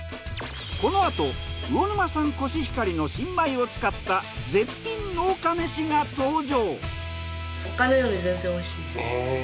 このあと魚沼産コシヒカリの新米を使った絶品農家めしが登場。